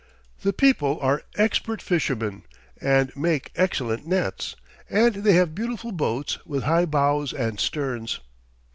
The people are expert fishermen and make excellent nets, and they have beautiful boats with high bows and sterns.